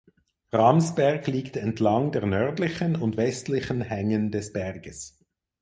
Ramsberg liegt entlang der nördlichen und westlichen Hängen des Berges.